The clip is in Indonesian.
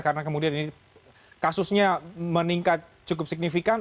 karena kemudian ini kasusnya meningkat cukup signifikan